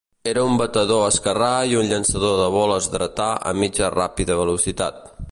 Era un batedor esquerrà i un llançador de boles dretà a mitja-ràpida velocitat.